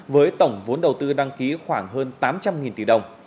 với tổng vốn đầu tư đăng ký khoảng hơn tám trăm linh tỷ đồng